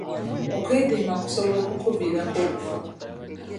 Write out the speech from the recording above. Okwediima kusobola okukuviirako okufa.